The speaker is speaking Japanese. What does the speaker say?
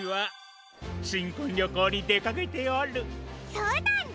そうなんだ。